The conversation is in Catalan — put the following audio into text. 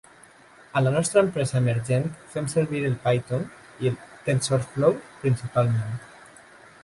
A la nostra empresa emergent fem servir el Python i el Tensorflow principalment.